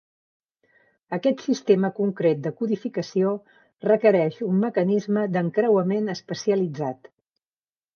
Aquest sistema concret de codificació requereix un mecanisme d'encreuament especialitzat.